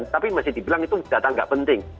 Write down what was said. tapi masih dibilang itu data nggak penting